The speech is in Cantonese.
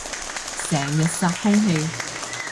成日殺空氣